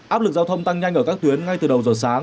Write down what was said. áp lực giao thông tăng nhanh ở các tuyến ngay từ đầu